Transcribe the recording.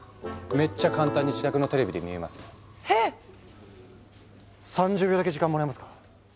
めっちゃ簡単に自宅のテレビで見れますよ。へ⁉３０秒だけ時間もらえますか？